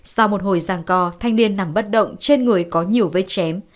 sau một hồi giàng co thanh niên nằm bất động trên người có nhiều vết chém